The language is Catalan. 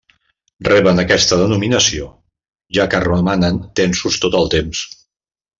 Reben aquesta denominació, ja que romanen tensos tot el temps.